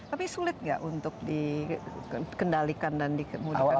tapi sulit nggak untuk dikendalikan dan dikemudikan